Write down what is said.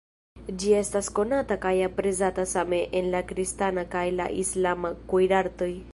Ĝi estis konata kaj aprezata same en la kristana kaj la islama kuirartoj.